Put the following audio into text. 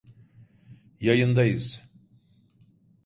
Yayındayız.